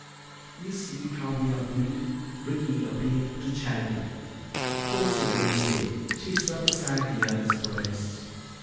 "You see how we are bullied," Ricky appealed to Charity. "Of course you're going to stay," she swept aside the other's protests.